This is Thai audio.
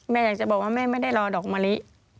อยากจะบอกว่าแม่ไม่ได้รอดอกมะลิ